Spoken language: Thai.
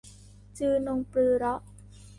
จือนงปรือเราะ